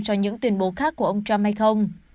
cho những tuyên bố khác của ông trump hay không